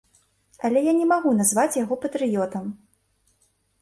Але я не магу назваць яго патрыётам.